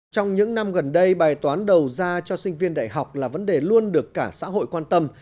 trong những năm gần đây bài toán đầu ra cho sinh viên đại học là vấn đề luôn được cả xã hội quan tâm